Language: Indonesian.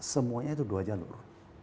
semuanya itu dua jalur